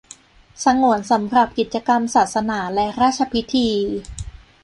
สงวนสำหรับกิจกรรมศาสนาและราชพิธี